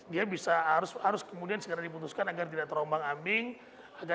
dia bisa harus kemudian segera diputuskan agar tidak terombang ambing